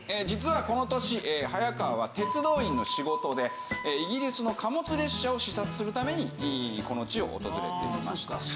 実はこの年早川は鉄道院の仕事でイギリスの貨物列車を視察するためにこの地を訪れていました。